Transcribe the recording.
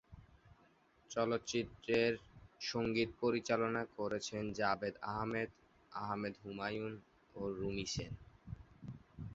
চলচ্চিত্রের সঙ্গীত পরিচালনা করেছেন জাভেদ আহমেদ, আহমেদ হুমায়ুন ও রুমি সেন।